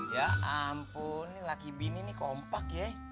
ya ampun ini laki bini kompak ya